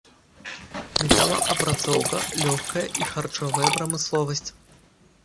Металаапрацоўка, лёгкая і харчовая прамысловасць.